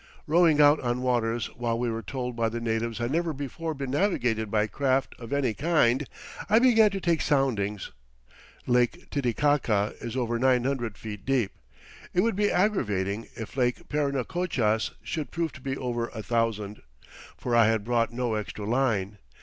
Rowing out on waters which we were told by the natives had never before been navigated by craft of any kind, I began to take soundings. Lake Titicaca is over nine hundred feet deep. It would be aggravating if Lake Parinacochas should prove to be over a thousand, for I had brought no extra line.